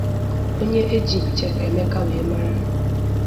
onye e ji 'Chef Emeka' wee mara.